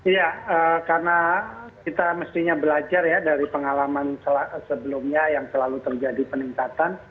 iya karena kita mestinya belajar ya dari pengalaman sebelumnya yang selalu terjadi peningkatan